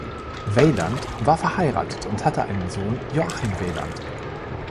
Weyland war verheiratet und hatte einen Sohn Joachim Weyland.